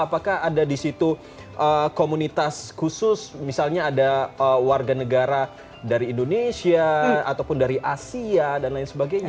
apakah ada di situ komunitas khusus misalnya ada warga negara dari indonesia ataupun dari asia dan lain sebagainya